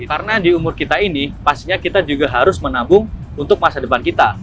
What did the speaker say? karena di umur kita ini pastinya kita juga harus menabung untuk masa depan kita